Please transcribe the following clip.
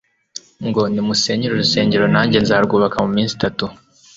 ngo: "Nimusenye uru rusengero nanjye nzarwubaka mu minsi itatu,"